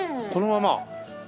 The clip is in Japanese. このまま？